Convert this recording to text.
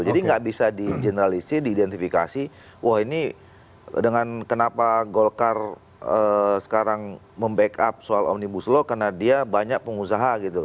jadi nggak bisa dijeneralisir diidentifikasi wah ini dengan kenapa golkar sekarang membackup soal omnibus law karena dia banyak pengusaha gitu